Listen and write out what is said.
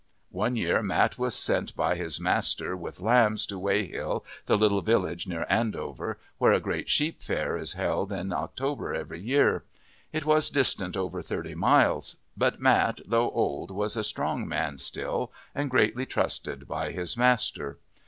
One year Mat was sent by his master with lambs to Weyhill, the little village near Andover, where a great sheep fair is held in October every year. It was distant over thirty miles, but Mat though old was a strong man still and greatly trusted by his master.